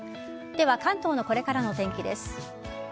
では、関東のこれからのお天気です。